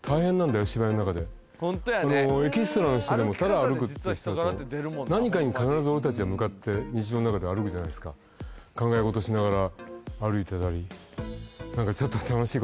エキストラの人でもただ歩くっていう人だとなにかに必ず俺たちは向かって日常の中で歩くじゃないですかおっ危ねえ危ねえ危ねえ！なんて